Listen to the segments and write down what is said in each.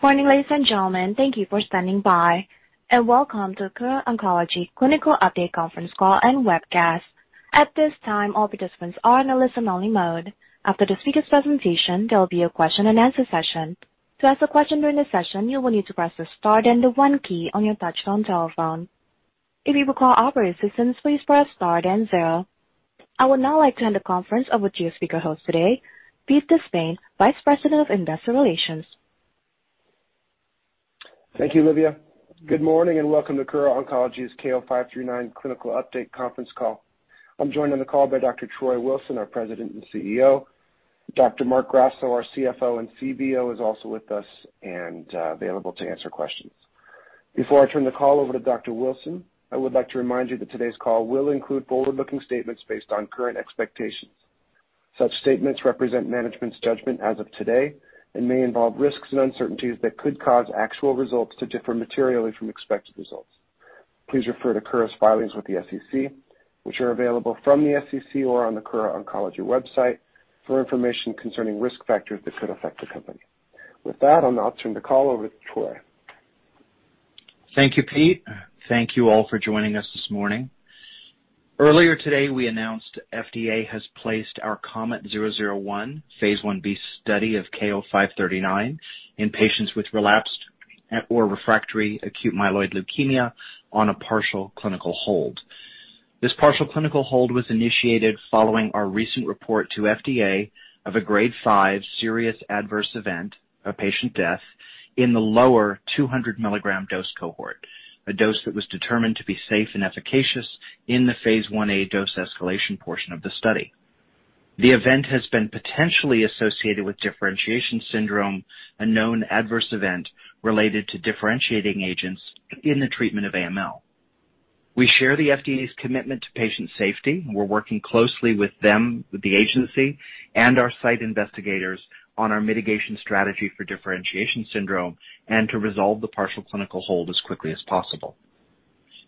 Good morning, ladies and gentlemen. Thank you for standing by, and welcome to Kura Oncology Clinical Update Conference Call and Webcast. At this time, all participants are in a listen-only mode. After the speaker's presentation, there will be a question-and-answer session. To ask a question during this session, you will need to press the star then the one key on your touchtone telephone. If you require operator assistance, please press star then zero. I would now like to hand the conference over to your speaker host today, Pete DeSpain, Vice President of Investor Relations. Thank you, Livia. Good morning and welcome to Kura Oncology's KO-539 Clinical Update Conference Call. I'm joined on the call by Dr. Troy Wilson, our President and CEO. Dr. Marc Grasso, our CFO and CBO, is also with us and available to answer questions. Before I turn the call over to Dr. Wilson, I would like to remind you that today's call will include forward-looking statements based on current expectations. Such statements represent management's judgment as of today and may involve risks and uncertainties that could cause actual results to differ materially from expected results. Please refer to Kura's filings with the SEC, which are available from the SEC or on the Kura Oncology website for information concerning risk factors that could affect the company. With that, I'll now turn the call over to Troy. Thank you, Pete. Thank you all for joining us this morning. Earlier today, we announced FDA has placed our KOMET-001 phase I-B study of KO-539 in patients with relapsed or refractory acute myeloid leukemia on a partial clinical hold. This partial clinical hold was initiated following our recent report to FDA of a Grade 5 serious adverse event, a patient death, in the lower 200 mg dose cohort, a dose that was determined to be safe and efficacious in the phase I-A dose-escalation portion of the study. The event has been potentially associated with differentiation syndrome, a known adverse event related to differentiating agents in the treatment of AML. We share the FDA's commitment to patient safety. We're working closely with them, with the agency and our site investigators on our mitigation strategy for differentiation syndrome and to resolve the partial clinical hold as quickly as possible.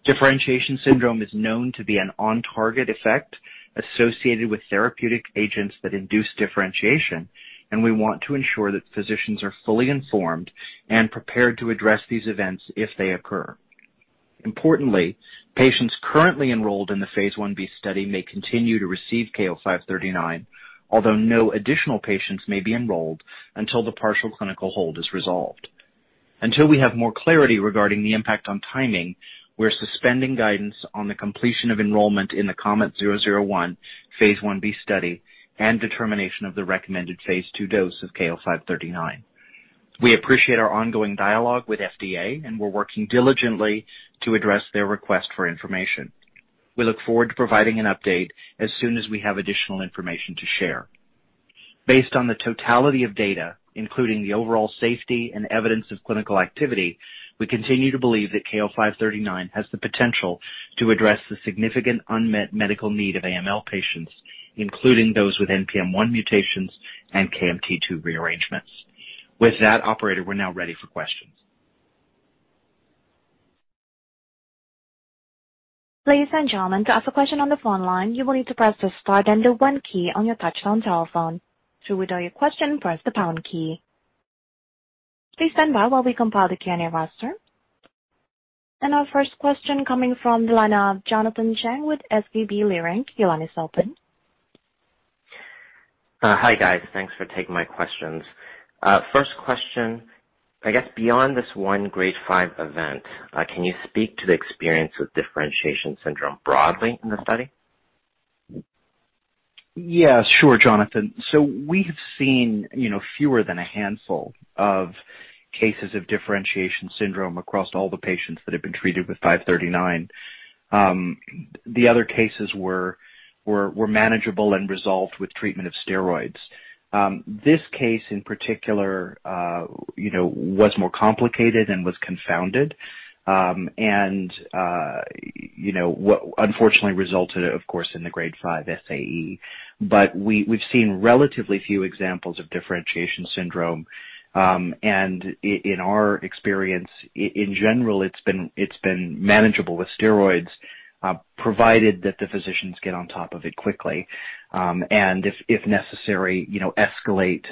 Differentiation syndrome is known to be an on-target effect associated with therapeutic agents that induce differentiation, and we want to ensure that physicians are fully informed and prepared to address these events if they occur. Importantly, patients currently enrolled in the phase I-B study may continue to receive KO-539, although no additional patients may be enrolled until the partial clinical hold is resolved. Until we have more clarity regarding the impact on timing, we're suspending guidance on the completion of enrollment in the KOMET-001 phase I-B study and determination of the recommended phase II dose of KO-539. We appreciate our ongoing dialogue with FDA, and we're working diligently to address their request for information. We look forward to providing an update as soon as we have additional information to share. Based on the totality of data, including the overall safety and evidence of clinical activity, we continue to believe that KO-539 has the potential to address the significant unmet medical need of AML patients, including those with NPM1 mutations and KMT2 rearrangements. With that operator, we're now ready for questions. Ladies and gentlemen, to ask a question on the phone line, you will need to press the star then the one key on your touchtone telephone. To withdraw your question, press the pound key. Please stand by while we compile the Q&A roster. Our first question coming from the line of Jonathan Chang with SVB Leerink. Your line is open. Hi, guys. Thanks for taking my questions. First question, I guess beyond this one Grade 5 event, can you speak to the experience with differentiation syndrome broadly in the study? Yeah, sure, Jonathan. We have seen, you know, fewer than a handful of cases of differentiation syndrome across all the patients that have been treated with KO-539. The other cases were manageable and resolved with treatment of steroids. This case in particular, you know, was more complicated and was confounded, and, you know, what unfortunately resulted of course in the Grade 5 SAE. We have seen relatively few examples of differentiation syndrome, and in our experience in general it's been manageable with steroids, provided that the physicians get on top of it quickly, and if necessary, you know, escalate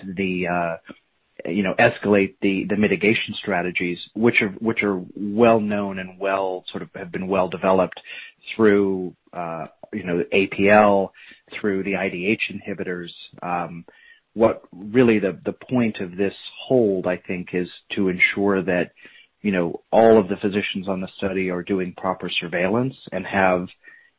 the mitigation strategies which are well known and well sort of have been well developed through, you know, APL, through the IDH inhibitors. What really the point of this hold, I think, is to ensure that, you know, all of the physicians on the study are doing proper surveillance and have,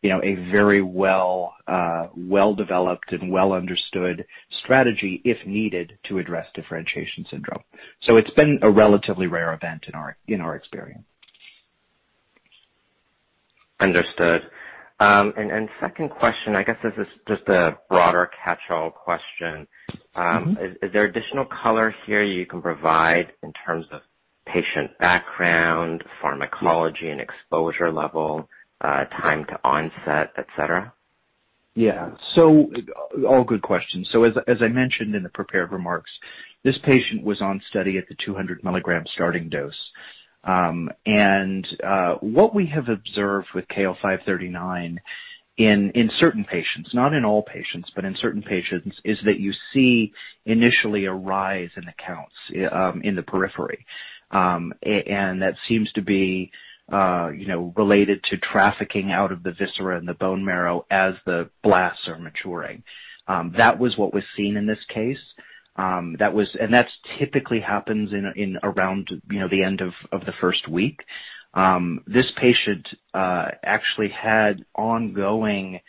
you know, a very well-developed and well-understood strategy, if needed, to address differentiation syndrome. It's been a relatively rare event in our experience. Understood. Second question, I guess this is just a broader catch-all question. Mm-hmm. Is there additional color here you can provide in terms of patient background, pharmacology and exposure level, time to onset, et cetera? Yeah. All good questions. As I mentioned in the prepared remarks, this patient was on study at the 200 mg starting dose. What we have observed with KO-539 in certain patients, not in all patients, but in certain patients, is that you see initially a rise in the counts in the periphery. That seems to be, you know, related to trafficking out of the viscera and the bone marrow as the blasts are maturing. That was what was seen in this case. That's typically happens in around, you know, the end of the first week. This patient actually was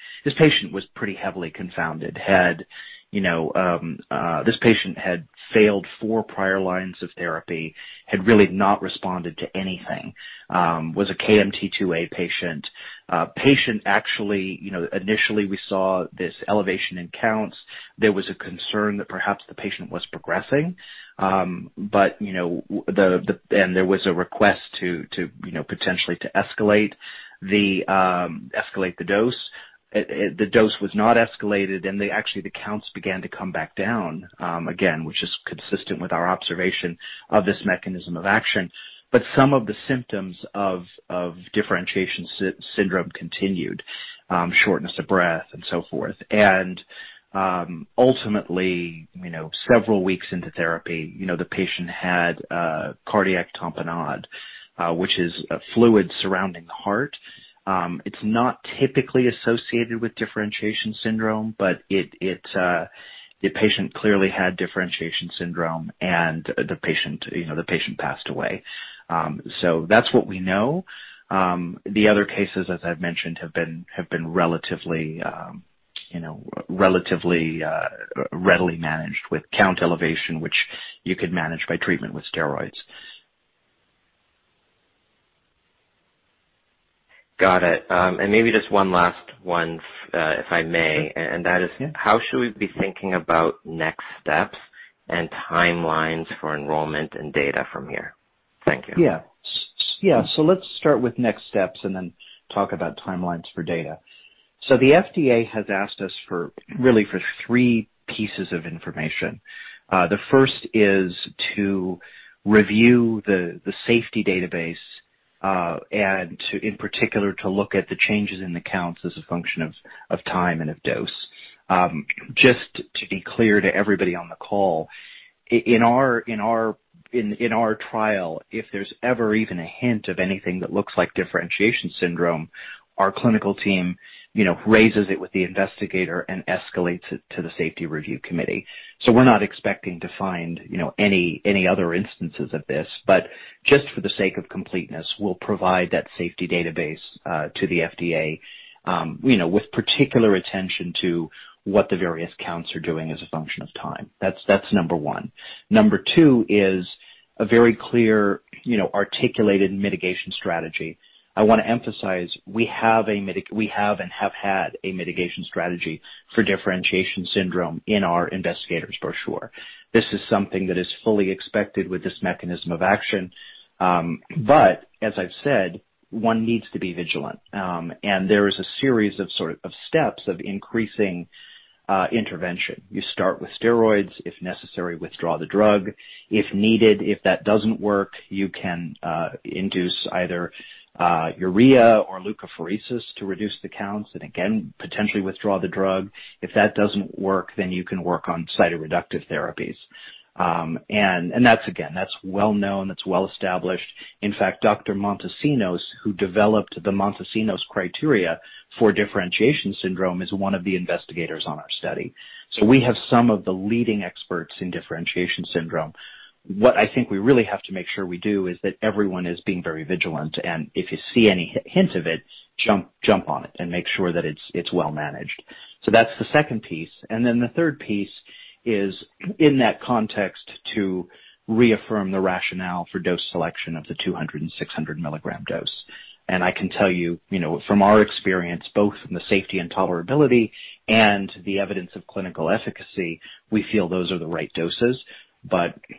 pretty heavily confounded, had, you know, failed four prior lines of therapy, had really not responded to anything. It was a KMT2A patient, actually, you know, initially we saw this elevation in counts. There was a concern that perhaps the patient was progressing. But, you know, and there was a request to, you know, potentially to escalate the dose. The dose was not escalated, and actually, the counts began to come back down, again, which is consistent with our observation of this mechanism of action. But some of the symptoms of differentiation syndrome continued, shortness of breath and so forth. Ultimately, you know, several weeks into therapy, you know, the patient had a cardiac tamponade, which is a fluid surrounding the heart. It's not typically associated with differentiation syndrome, but it, the patient clearly had differentiation syndrome, and the patient passed away. That's what we know. The other cases, as I've mentioned, have been relatively, you know, readily managed with count elevation, which you could manage by treatment with steroids. Got it. Maybe just one last one, if I may. Sure. And that is- Yeah. How should we be thinking about next steps and timelines for enrollment and data from here? Thank you. Yeah. Let's start with next steps and then talk about timelines for data. The FDA has asked us for, really for three pieces of information. The first is to review the safety database, and in particular, to look at the changes in the counts as a function of time and of dose. Just to be clear to everybody on the call, in our trial, if there's ever even a hint of anything that looks like differentiation syndrome, our clinical team, you know, raises it with the investigator and escalates it to the safety review committee. We're not expecting to find, you know, any other instances of this. Just for the sake of completeness, we'll provide that safety database to the FDA, you know, with particular attention to what the various counts are doing as a function of time. That's number one. Number two is a very clear, you know, articulated mitigation strategy. I wanna emphasize we have and have had a mitigation strategy for differentiation syndrome in our investigator's brochure. This is something that is fully expected with this mechanism of action. But as I've said, one needs to be vigilant. And there is a series of sort of steps of increasing intervention. You start with steroids. If necessary, withdraw the drug. If needed, if that doesn't work, you can induce either hydroxyurea or leukapheresis to reduce the counts and again, potentially withdraw the drug. If that doesn't work, then you can work on cytoreductive therapies. And that's again well-known. It's well-established. In fact, Dr. Montesinos, who developed the Montesinos criteria for differentiation syndrome, is one of the investigators on our study. We have some of the leading experts in differentiation syndrome. What I think we really have to make sure we do is that everyone is being very vigilant, and if you see any hint of it, jump on it and make sure that it's well managed. That's the second piece. The third piece is, in that context, to reaffirm the rationale for dose selection of the 200-mg and 600-mg dose. I can tell you know, from our experience, both from the safety and tolerability and the evidence of clinical efficacy, we feel those are the right doses.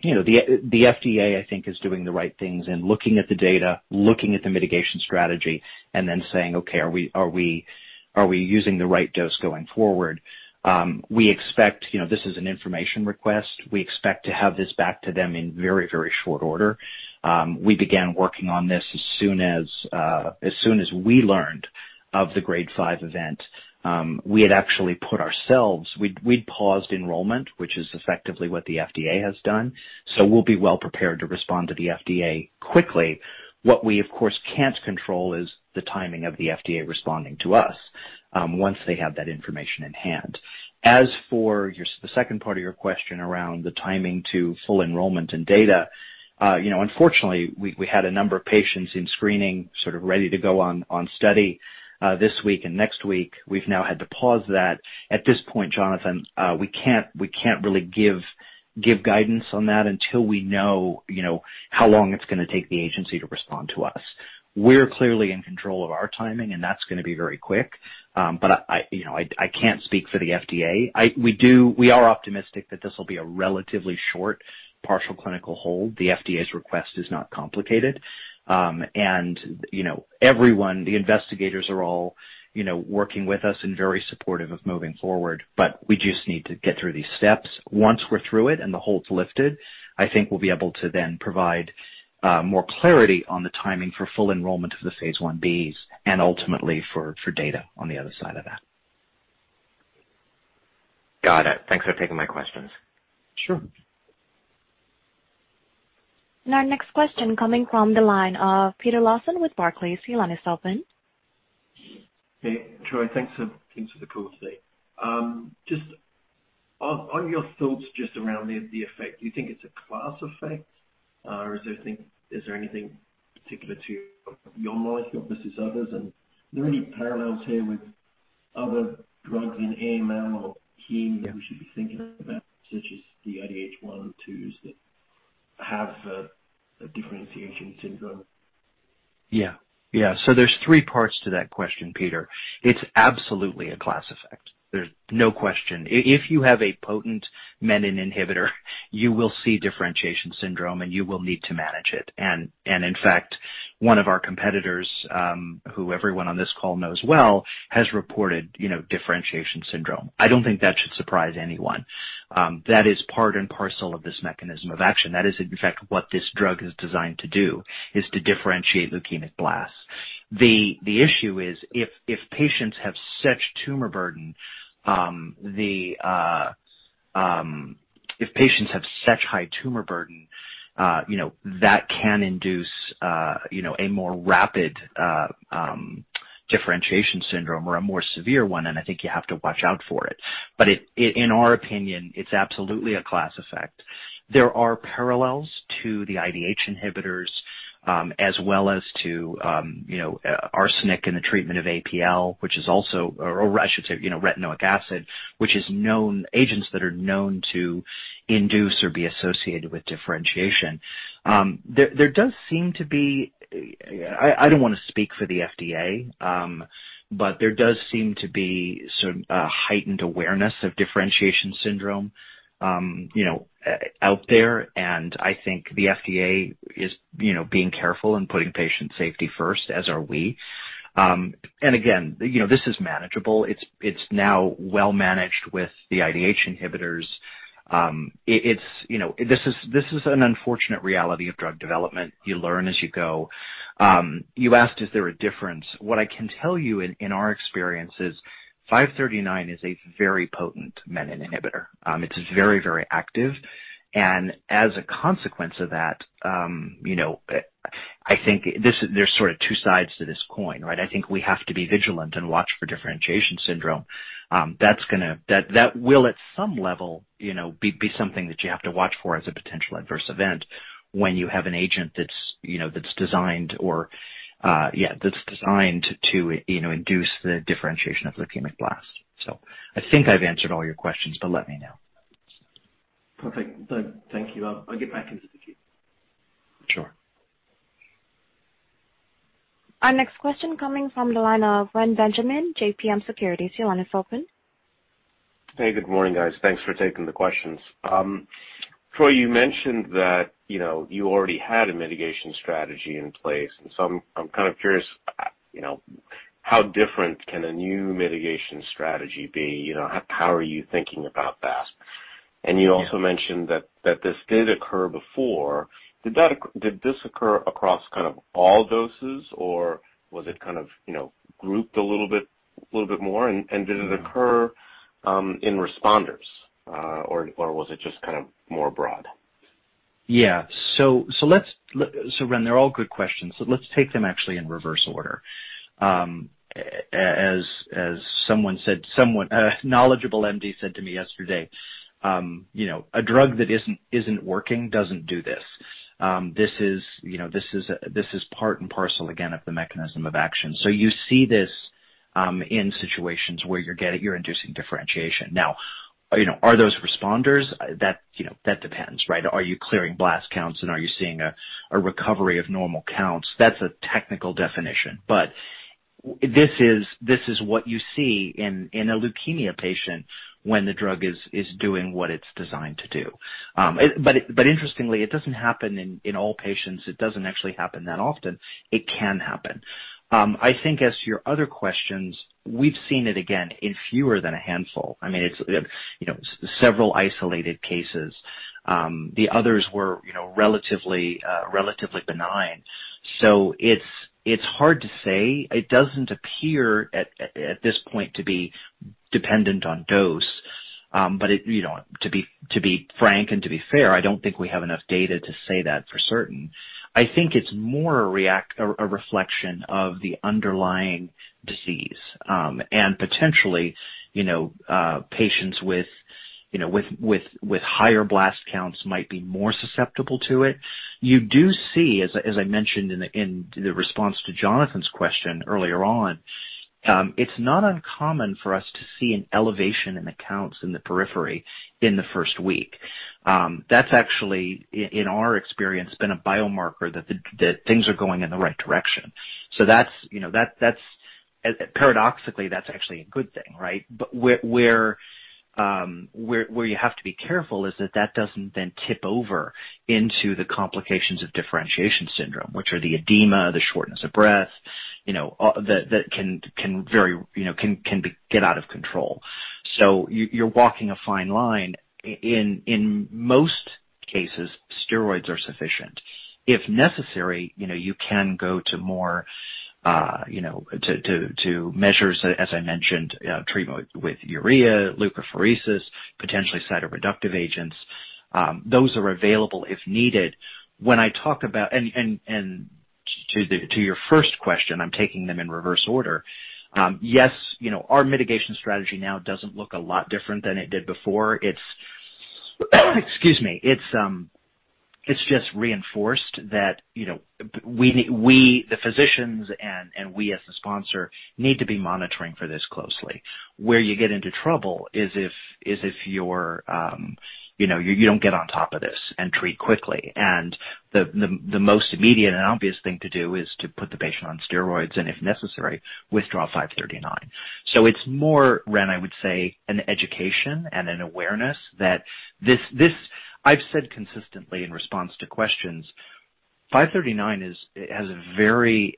You know, the FDA, I think, is doing the right things and looking at the data, looking at the mitigation strategy, and then saying, "Okay, are we using the right dose going forward?" We expect, you know, this is an information request. We expect to have this back to them in very, very short order. We began working on this as soon as we learned of the Grade 5 event. We had actually put ourselves. We'd paused enrollment, which is effectively what the FDA has done. We'll be well prepared to respond to the FDA quickly. What we, of course, can't control is the timing of the FDA responding to us, once they have that information in hand. As for the second part of your question around the timing to full enrollment and data, you know, unfortunately, we had a number of patients in screening sort of ready to go on study this week and next week. We've now had to pause that. At this point, Jonathan, we can't really give guidance on that until we know how long it's gonna take the agency to respond to us. We're clearly in control of our timing, and that's gonna be very quick. But you know, I can't speak for the FDA. We are optimistic that this will be a relatively short partial clinical hold. The FDA's request is not complicated. You know, everyone, the investigators are all, you know, working with us and very supportive of moving forward, but we just need to get through these steps. Once we're through it and the hold's lifted, I think we'll be able to then provide more clarity on the timing for full enrollment of the phase I-Bs and ultimately for data on the other side of that. Got it. Thanks for taking my questions. Sure. Our next question coming from the line of Peter Lawson with Barclays. Your line is open. Hey, Troy. Thanks for the call today. Just on your thoughts just around the effect, do you think it's a class effect, or is there anything particular to your molecule versus others? Are there any parallels here with other drugs in AML or leukemia we should be thinking about, such as the IDH1/2s that have a differentiation syndrome? There's three parts to that question, Peter. It's absolutely a class effect. There's no question. If you have a potent menin inhibitor, you will see differentiation syndrome, and you will need to manage it. In fact, one of our competitors, who everyone on this call knows well, has reported, you know, differentiation syndrome. I don't think that should surprise anyone. That is part and parcel of this mechanism of action. That is in fact what this drug is designed to do, is to differentiate leukemic blasts. The issue is if patients have such high tumor burden, you know, that can induce you know a more rapid differentiation syndrome or a more severe one, and I think you have to watch out for it. In our opinion, it's absolutely a class effect. There are parallels to the IDH inhibitors, as well as to you know arsenic in the treatment of APL, or I should say, you know, retinoic acid, agents that are known to induce or be associated with differentiation. There does seem to be. I don't wanna speak for the FDA, but there does seem to be sort of a heightened awareness of differentiation syndrome you know out there, and I think the FDA is you know being careful and putting patient safety first, as are we. Again, you know, this is manageable. It's now well-managed with the IDH inhibitors. This is an unfortunate reality of drug development. You learn as you go. You asked, is there a difference. What I can tell you, in our experience, is KO-539 is a very potent menin inhibitor. It's very, very active, and as a consequence of that, you know, I think there's sort of two sides to this coin, right? I think we have to be vigilant and watch for differentiation syndrome. That's going to, that will, at some level, you know, be something that you have to watch for as a potential adverse event when you have an agent that's, you know, that's designed to, you know, induce the differentiation of leukemic blasts. I think I've answered all your questions, but let me know. Perfect. Thank you. I'll get back in touch with you. Sure. Our next question coming from the line of Reni Benjamin, JMP Securities. Your line is open. Hey, good morning, guys. Thanks for taking the questions. Troy, you mentioned that, you know, you already had a mitigation strategy in place, and so I'm kind of curious, you know, how different can a new mitigation strategy be? You know, how are you thinking about that? Yeah. You also mentioned that this did occur before. Did this occur across kind of all doses, or was it kind of, you know, grouped a little bit more? Mm-hmm. Did it occur in responders, or was it just kind of more broad? Ren, they're all good questions. Let's take them actually in reverse order. As a knowledgeable MD said to me yesterday, you know, a drug that isn't working doesn't do this. This is, you know, part and parcel again of the mechanism of action. You see this in situations where you're inducing differentiation. Now, you know, are those responders? That depends, right? Are you clearing blast counts, and are you seeing a recovery of normal counts? That's a technical definition, but this is what you see in a leukemia patient when the drug is doing what it's designed to do. Interestingly, it doesn't happen in all patients. It doesn't actually happen that often. It can happen. I think as to your other questions, we've seen it again in fewer than a handful. I mean, it's, you know, several isolated cases. The others were, you know, relatively benign, so it's hard to say. It doesn't appear at this point to be dependent on dose, but, you know, to be frank and to be fair, I don't think we have enough data to say that for certain. I think it's more a reflection of the underlying disease, and potentially, you know, patients with higher blast counts might be more susceptible to it. You do see, as I mentioned in the response to Jonathan's question earlier on, it's not uncommon for us to see an elevation in the counts in the periphery in the first week. That's actually in our experience been a biomarker that things are going in the right direction. That's, you know, paradoxically, that's actually a good thing, right? Where you have to be careful is that that doesn't then tip over into the complications of differentiation syndrome, which are the edema, the shortness of breath, you know, that can very get out of control. You're walking a fine line. In most cases, steroids are sufficient. If necessary, you know, you can go to more, you know, to measures, as I mentioned, treatment with hydroxyurea, leukapheresis, potentially cytoreductive agents. Those are available if needed. When I talk about to your first question, I'm taking them in reverse order. Yes, you know, our mitigation strategy now doesn't look a lot different than it did before. It's just reinforced that, you know, we, the physicians and we, as the sponsor, need to be monitoring for this closely. Where you get into trouble is if you're, you know, you don't get on top of this and treat quickly. The most immediate and obvious thing to do is to put the patient on steroids, and if necessary, withdraw KO-539. It's more, Ren, I would say, an education and an awareness that this, I've said consistently in response to questions, 539 has a very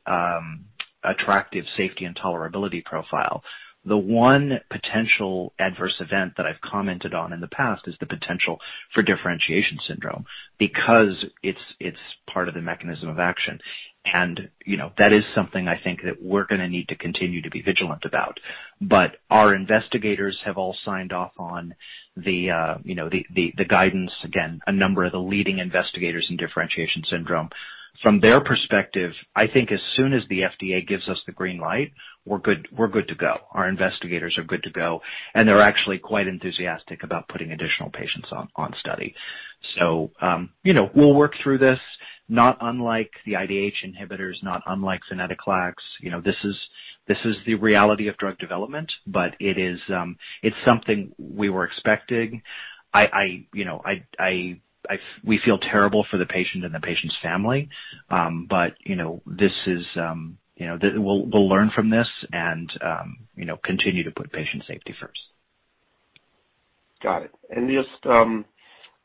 attractive safety and tolerability profile. The one potential adverse event that I've commented on in the past is the potential for differentiation syndrome because it's part of the mechanism of action. You know, that is something I think that we're gonna need to continue to be vigilant about. Our investigators have all signed off on the guidance, again, a number of the leading investigators in differentiation syndrome. From their perspective, I think as soon as the FDA gives us the green light, we're good to go. Our investigators are good to go, and they're actually quite enthusiastic about putting additional patients on study. We'll work through this, not unlike the IDH inhibitors, not unlike venetoclax. You know, this is the reality of drug development, but it is, it's something we were expecting. We feel terrible for the patient and the patient's family, but you know, we'll learn from this and, you know, continue to put patient safety first. Got it. Just, you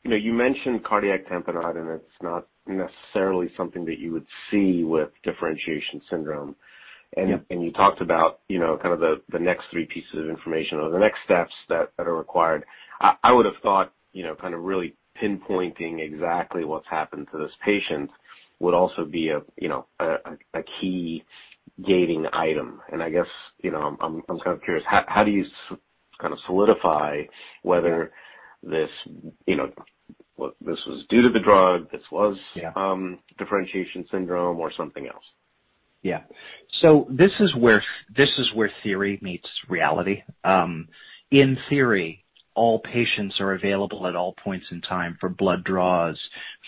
know, you mentioned cardiac tamponade, and it's not necessarily something that you would see with differentiation syndrome. Yeah. You talked about, you know, kind of the next three pieces of information or the next steps that are required. I would have thought, you know, kind of really pinpointing exactly what's happened to those patients would also be a, you know, a key gating item. I guess, you know, I'm kind of curious, how do you kind of solidify whether this, you know, this was due to the drug, this was- Yeah. differentiation syndrome or something else? Yeah. This is where theory meets reality. In theory, all patients are available at all points in time for blood draws,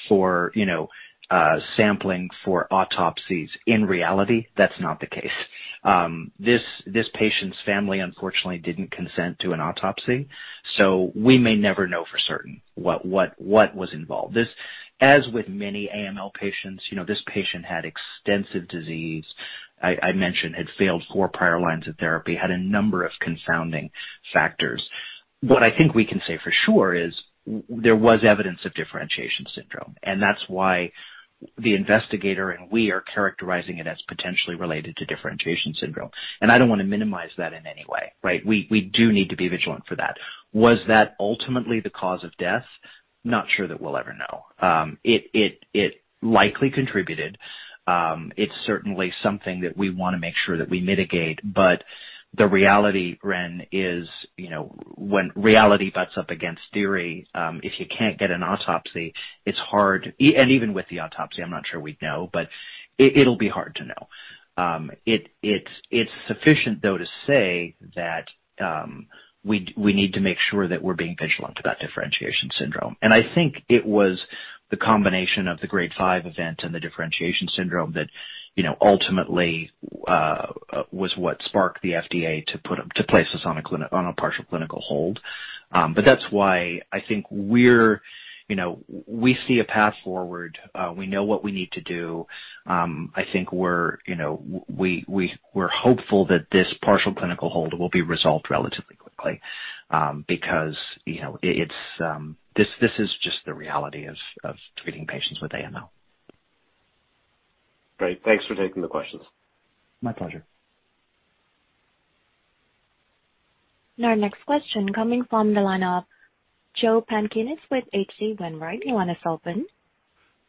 you know, sampling, for autopsies. In reality, that's not the case. This patient's family unfortunately didn't consent to an autopsy, so we may never know for certain what was involved. As with many AML patients, you know, this patient had extensive disease. I mentioned had failed four prior lines of therapy, had a number of confounding factors. What I think we can say for sure is there was evidence of differentiation syndrome, and that's why the investigator and we are characterizing it as potentially related to differentiation syndrome. I don't wanna minimize that in any way, right? We do need to be vigilant for that. Was that ultimately the cause of death? Not sure that we'll ever know. It likely contributed. It's certainly something that we wanna make sure that we mitigate. The reality, Ren, is, you know, when reality butts up against theory, if you can't get an autopsy, it's hard. Even with the autopsy, I'm not sure we'd know, but it'll be hard to know. It's sufficient, though, to say that we need to make sure that we're being vigilant about differentiation syndrome. I think it was the combination of the Grade 5 event and the differentiation syndrome that, you know, ultimately was what sparked the FDA to place us on a partial clinical hold. That's why I think we're, you know, we see a path forward. We know what we need to do. I think we're, you know, we're hopeful that this partial clinical hold will be resolved relatively quickly, because, you know, it's this is just the reality of treating patients with AML. Great. Thanks for taking the questions. My pleasure. Our next question coming from the line of Joe Pantginis with HC Wainwright. Your line is open.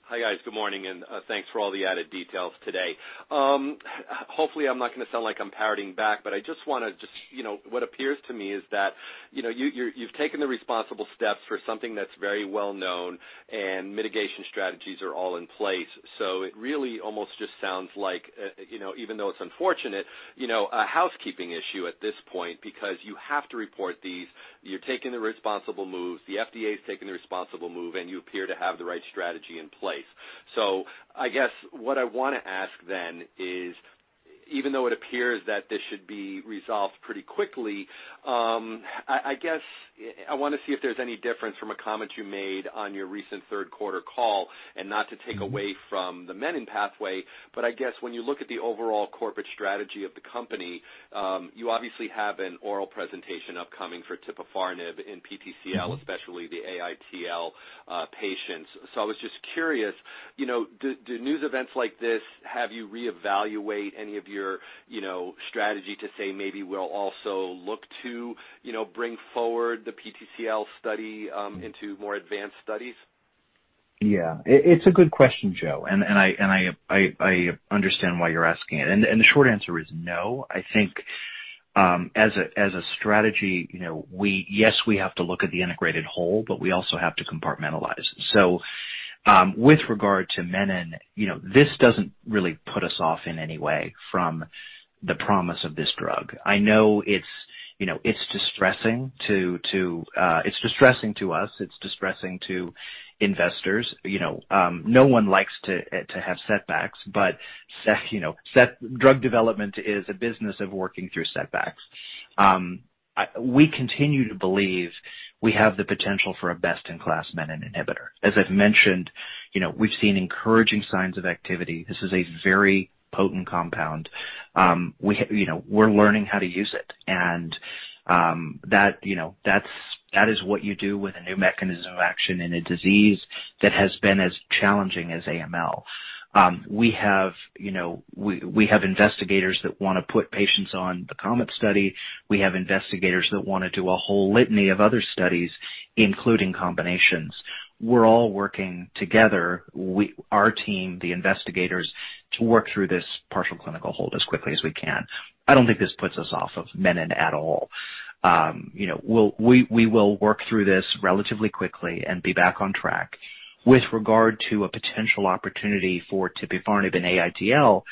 Hi, guys. Good morning, and thanks for all the added details today. Hopefully, I'm not gonna sound like I'm parroting back, but I just wanna, you know, what appears to me is that, you know, you've taken the responsible steps for something that's very well known and mitigation strategies are all in place. It really almost just sounds like, you know, even though it's unfortunate, you know, a housekeeping issue at this point because you have to report these. You're taking the responsible moves, the FDA is taking the responsible move, and you appear to have the right strategy in place. I guess what I wanna ask then is even though it appears that this should be resolved pretty quickly, I guess I wanna see if there's any difference from a comment you made on your recent third quarter call, and not to take away from the menin pathway, but I guess when you look at the overall corporate strategy of the company, you obviously have an oral presentation upcoming for tipifarnib in PTCL, especially the AITL patients. I was just curious, you know, do news events like this have you reevaluate any of your, you know, strategy to say maybe we'll also look to, you know, bring forward the PTCL study into more advanced studies? Yeah. It's a good question, Joe, and I understand why you're asking it. The short answer is no. I think, as a strategy, you know, we have to look at the integrated whole, but we also have to compartmentalize. With regard to menin, you know, this doesn't really put us off in any way from the promise of this drug. I know it's, you know, it's distressing to us, it's distressing to investors. You know, no one likes to have setbacks, but drug development is a business of working through setbacks. We continue to believe we have the potential for a best-in-class menin inhibitor. As I've mentioned, you know, we've seen encouraging signs of activity. This is a very potent compound. You know, we're learning how to use it, and that is what you do with a new mechanism of action in a disease that has been as challenging as AML. We have investigators that wanna put patients on the KOMET study. We have investigators that wanna do a whole litany of other studies, including combinations. We're all working together, our team, the investigators, to work through this partial clinical hold as quickly as we can. I don't think this puts us off of menin at all. We will work through this relatively quickly and be back on track. With regard to a potential opportunity for tipifarnib in AITL,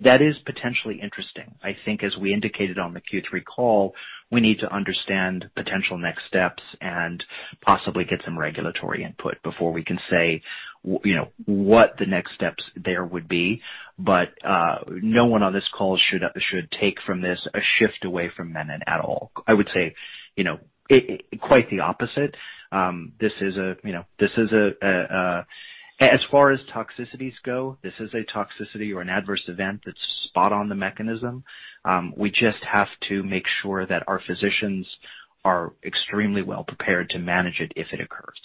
that is potentially interesting. I think as we indicated on the Q3 call, we need to understand potential next steps and possibly get some regulatory input before we can say, you know, what the next steps there would be. No one on this call should take from this a shift away from menin at all. I would say, you know, it quite the opposite. This is a, you know, as far as toxicities go, this is a toxicity or an adverse event that's spot on the mechanism. We just have to make sure that our physicians are extremely well prepared to manage it if it occurs.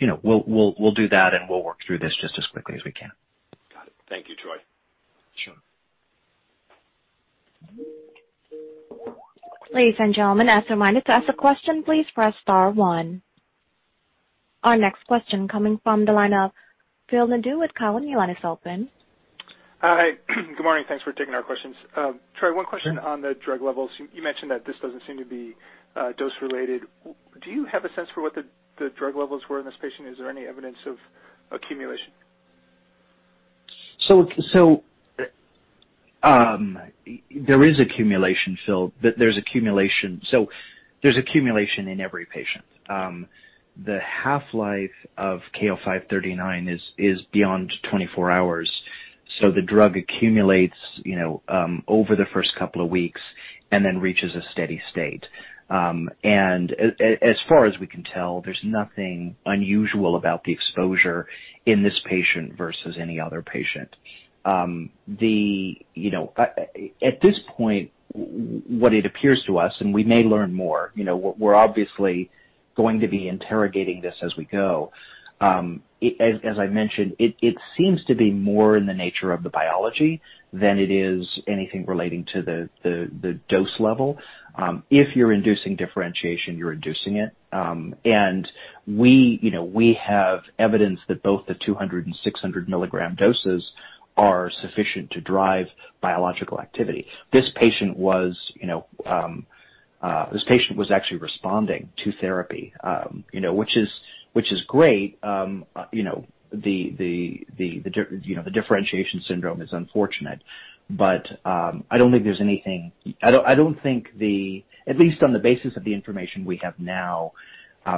You know, we'll do that, and we'll work through this just as quickly as we can. Got it. Thank you, Troy. Sure. Ladies and gentlemen, as a reminder, to ask a question, please press star one. Our next question coming from the line of Phil Nadeau with Cowen. Your line is open. Hi. Good morning. Thanks for taking our questions. Troy, one question on the drug levels. You mentioned that this doesn't seem to be dose related. Do you have a sense for what the drug levels were in this patient? Is there any evidence of accumulation? There is accumulation, Phil. There's accumulation in every patient. The half-life of KO-539 is beyond 24 hours, so the drug accumulates, you know, over the first couple of weeks and then reaches a steady state. As far as we can tell, there's nothing unusual about the exposure in this patient versus any other patient. At this point, what it appears to us, and we may learn more, you know, we're obviously going to be interrogating this as we go. As I mentioned, it seems to be more in the nature of the biology than it is anything relating to the dose level. If you're inducing differentiation, you're inducing it. We have evidence that both the 200 mg and 600 mg doses are sufficient to drive biological activity. This patient was actually responding to therapy, you know, which is great. The differentiation syndrome is unfortunate, but I don't think there's anything. I don't think the, at least on the basis of the information we have now,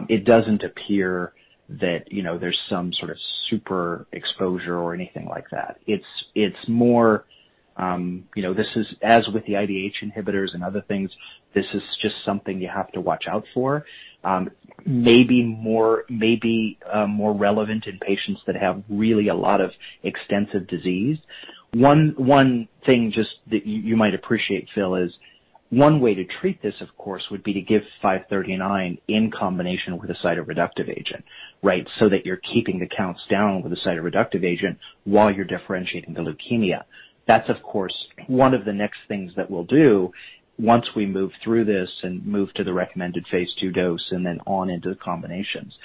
it doesn't appear that, you know, there's some sort of super exposure or anything like that. It's more, you know, this is, as with the IDH inhibitors and other things, this is just something you have to watch out for. Maybe more relevant in patients that have really a lot of extensive disease. One thing just that you might appreciate, Phil, is one way to treat this, of course, would be to give KO-539 in combination with a cytoreductive agent, right? So that you're keeping the counts down with a cytoreductive agent while you're differentiating the leukemia. That's, of course, one of the next things that we'll do once we move through this and move to the recommended phase II dose and then on into the combinations.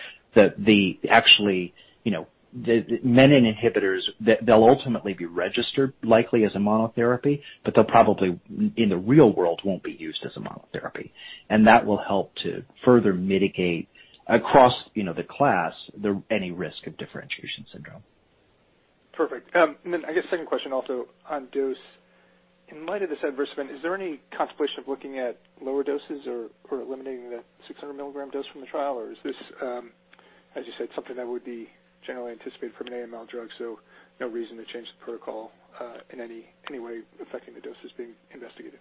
Actually, you know, the menin inhibitors, they'll ultimately be registered likely as a monotherapy, but they'll probably, in the real world, won't be used as a monotherapy. That will help to further mitigate across, you know, the class, any risk of differentiation syndrome. Perfect. I guess second question also on dose. In light of this adverse event, is there any contemplation of looking at lower doses or eliminating the 600 mg dose from the trial, or is this, as you said, something that would be generally anticipated from an AML drug, so no reason to change the protocol in any way affecting the doses being investigated.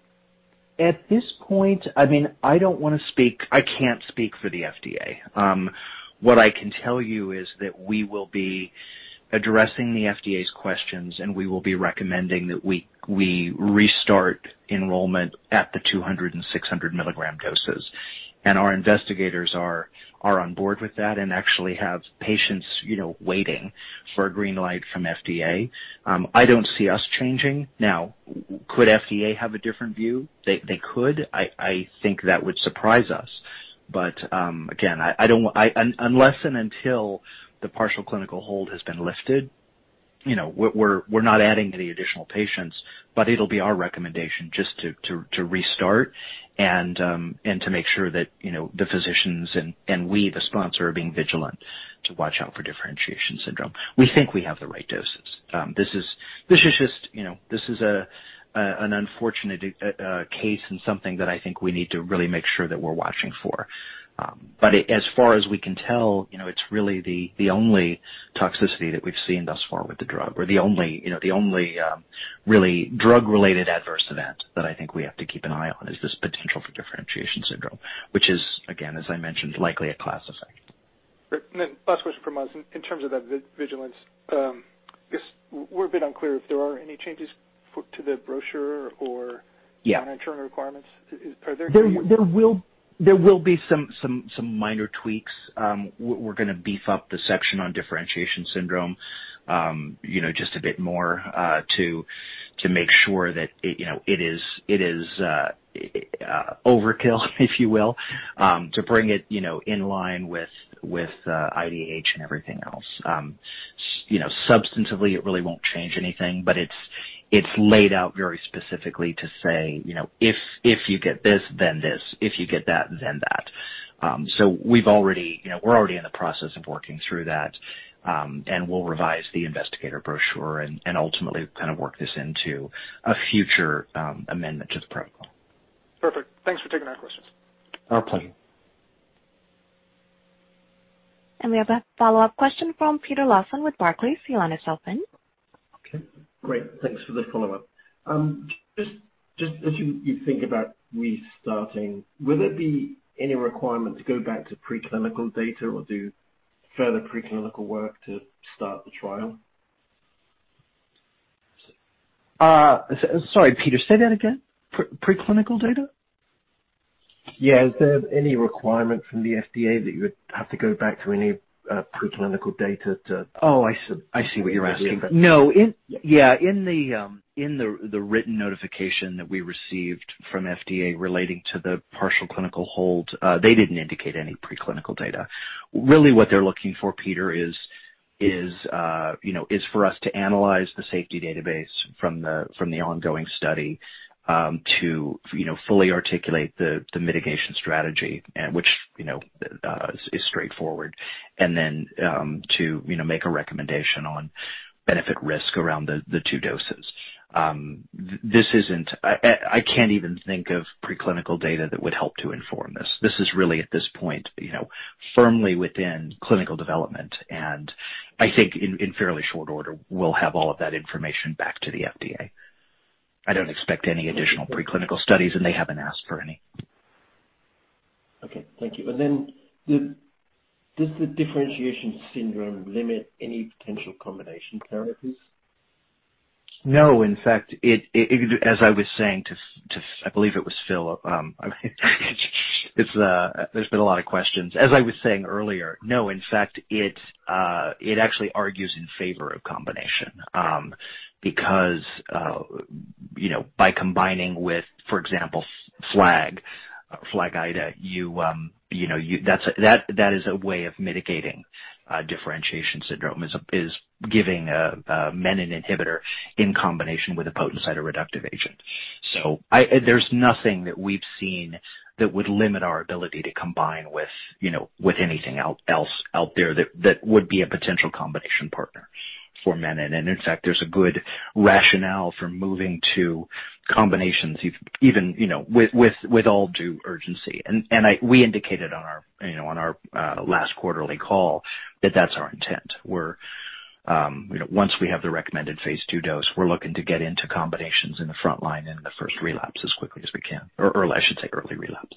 At this point, I mean, I can't speak for the FDA. What I can tell you is that we will be addressing the FDA's questions, and we will be recommending that we restart enrollment at the 200-mg and 600-mg doses. Our investigators are on board with that and actually have patients, you know, waiting for a green light from FDA. I don't see us changing. Now, could FDA have a different view? They could. I think that would surprise us. Again, unless and until the partial clinical hold has been lifted, you know, we're not adding any additional patients, but it'll be our recommendation just to restart and to make sure that, you know, the physicians and we, the sponsor, are being vigilant to watch out for differentiation syndrome. We think we have the right doses. This is just, you know, an unfortunate case and something that I think we need to really make sure that we're watching for. As far as we can tell, you know, it's really the only toxicity that we've seen thus far with the drug or the only, you know, really drug-related adverse event that I think we have to keep an eye on is this potential for differentiation syndrome, which is, again, as I mentioned, likely a class effect. Great. Last question from us. In terms of that vigilance, guess we're a bit unclear if there are any changes to the brochure or- Yeah. Long-term requirements. Are there any? There will be some minor tweaks. We're gonna beef up the section on differentiation syndrome, you know, just a bit more to make sure that it, you know, it is overkill, if you will, to bring it, you know, in line with IDH and everything else. You know, substantively, it really won't change anything, but it's laid out very specifically to say, you know, "If you get this, then this. If you get that, then that." So we're already in the process of working through that, and we'll revise the investigator brochure and ultimately kind of work this into a future amendment to the protocol. Perfect. Thanks for taking our questions. Our pleasure. We have a follow-up question from Peter Lawson with Barclays. Your line is open. Okay. Great. Thanks for the follow-up. Just as you think about restarting, will there be any requirement to go back to preclinical data or do further preclinical work to start the trial? Sorry, Peter, say that again. Preclinical data? Yeah. Is there any requirement from the FDA that you would have to go back to any preclinical data to- Oh, I see. I see what you're asking. No. Yeah, in the written notification that we received from FDA relating to the partial clinical hold, they didn't indicate any preclinical data. Really what they're looking for, Peter, is, you know, for us to analyze the safety database from the ongoing study, to, you know, fully articulate the mitigation strategy, which, you know, is straightforward. Then, to, you know, make a recommendation on benefit risk around the two doses. This isn't. I can't even think of preclinical data that would help to inform this. This is really at this point, you know, firmly within clinical development. I think in fairly short order, we'll have all of that information back to the FDA. I don't expect any additional preclinical studies, and they haven't asked for any. Okay. Thank you. Does the differentiation syndrome limit any potential combination therapies? No. In fact, as I was saying to, I believe it was Phil, it's. There's been a lot of questions. As I was saying earlier, no, in fact, it actually argues in favor of combination because you know, by combining with, for example, FLAG-IDA, you know. That's a way of mitigating differentiation syndrome, giving a menin inhibitor in combination with a potent cytoreductive agent. There's nothing that we've seen that would limit our ability to combine with, you know, with anything else out there that would be a potential combination partner for menin. And in fact, there's a good rationale for moving to combinations even, you know, with all due urgency. We indicated on our last quarterly call that that's our intent. Once we have the recommended phase II dose, we're looking to get into combinations in the front line in the first relapse, or early, I should say early relapse,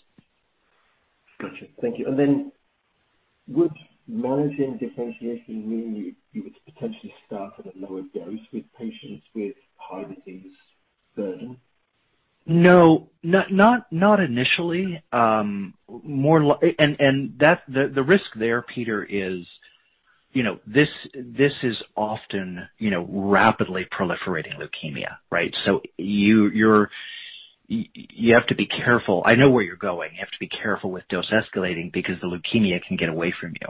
as quickly as we can. Gotcha. Thank you. Would managing differentiation mean you would potentially start at a lower dose with patients with high disease burden? No, not initially. The risk there, Peter, is, you know, this is often, you know, rapidly proliferating leukemia, right? You have to be careful. I know where you're going. You have to be careful with dose escalating because the leukemia can get away from you.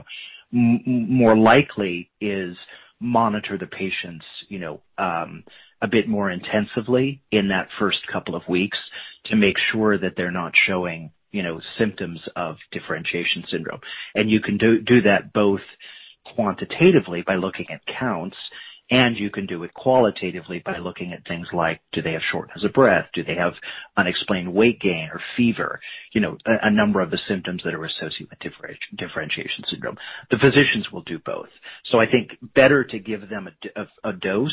More likely is monitor the patients, you know, a bit more intensively in that first couple of weeks to make sure that they're not showing, you know, symptoms of differentiation syndrome. You can do that both quantitatively by looking at counts, and you can do it qualitatively by looking at things like, do they have shortness of breath? Do they have unexplained weight gain or fever? You know, a number of the symptoms that are associated with differentiation syndrome. The physicians will do both. I think it's better to give them a dose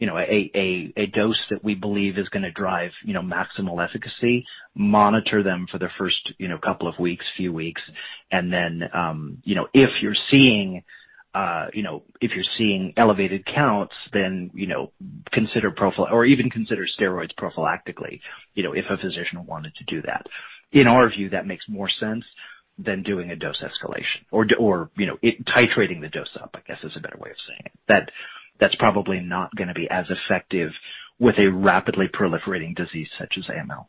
that we believe is gonna drive maximal efficacy, monitor them for the first couple of weeks, few weeks, and then, you know, if you're seeing elevated counts, then, you know, consider steroids prophylactically, you know, if a physician wanted to do that. In our view, that makes more sense than doing a dose escalation or, you know, titrating the dose up, I guess, is a better way of saying it. That's probably not gonna be as effective with a rapidly proliferating disease such as AML.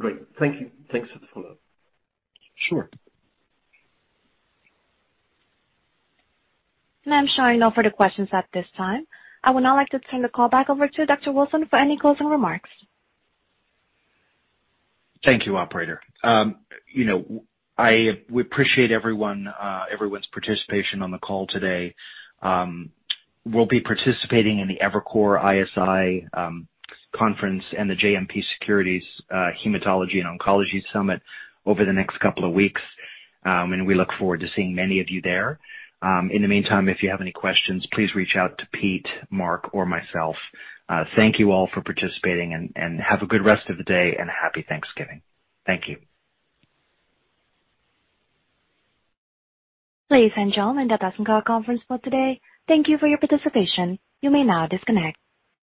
Great. Thank you. Thanks for the follow-up. Sure. I'm showing all further questions at this time. I would now like to turn the call back over to Dr. Wilson for any closing remarks. Thank you, operator. We appreciate everyone's participation on the call today. We'll be participating in the Evercore ISI conference and the JMP Securities Hematology and Oncology Summit over the next couple of weeks, and we look forward to seeing many of you there. In the meantime, if you have any questions, please reach out to Pete, Marc, or myself. Thank you all for participating, and have a good rest of the day and Happy Thanksgiving. Thank you. Ladies and gentlemen, that does end our conference call today. Thank you for your participation. You may now disconnect.